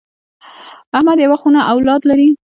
احمد یوه خونه اولاد لري.